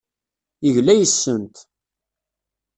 Yegla yes-sent.